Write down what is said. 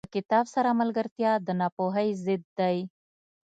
• د کتاب سره ملګرتیا، د ناپوهۍ ضد دی.